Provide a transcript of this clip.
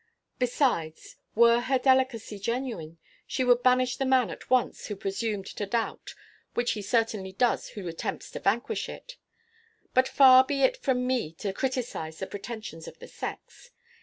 Besides, were her delicacy genuine, she would banish the man at once who presumed to doubt, which he certainly does who attempts to vanquish it. But far be it from me to criticize the pretensions of the sex.